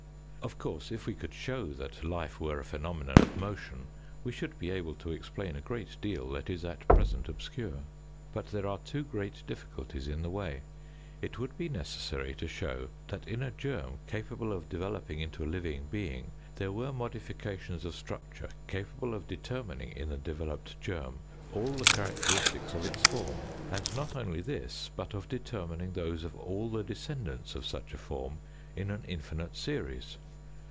Of course, if we could show that life were a phenomenon of motion, we should be able to explain a great deal that is at present obscure. But there are two great difficulties in the way. It would be necessary to show that in a germ capable of developing into a living being, there were modifications of structure capable of determining in the developed germ all the characteristics of its form, and not only this, but of determining those of all the descendants of such a form in an infinite series.